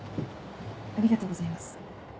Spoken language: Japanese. ありがとうございます。